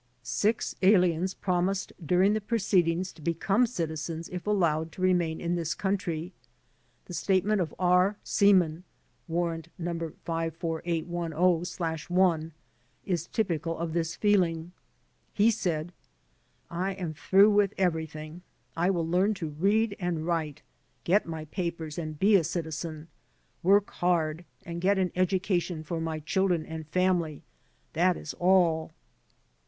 Six aliens promised during the proceed ings to become citizens if allowed to remain in this coun try. The statement of R. Sieman (Warrant No. 54810/1) is typical of this feeling. He said : "I am through with everything. I will learn to read and write, get my papers and be a citizen, work hard and i^et an education for my children and family; that is all."